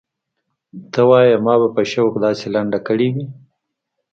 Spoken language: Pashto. ته وايې ما به په شوق داسې لنډه کړې وي.